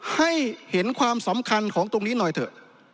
ให้เห็นความสำคัญของตรงนี้หน่อยเถอะ